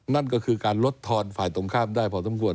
นั่นก็คือการลดทอนฝ่ายตรงข้ามได้พอสมควร